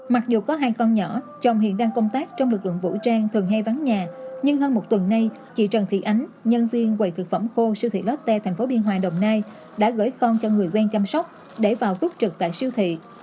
mặc dù có hai con nhỏ chồng hiện đang công tác trong lực lượng vũ trang thường hay vắng nhà nhưng hơn một tuần nay chị trần thị ánh nhân viên quầy thực phẩm khô siêu thị lotte thành phố biên hòa đồng nai đã gửi con cho người quen chăm sóc để vào túc trực tại siêu thị